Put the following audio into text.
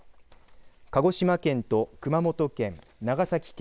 鹿児島県と熊本県長崎県